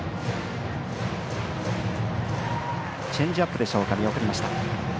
チェンジアップでしょうか見送りました。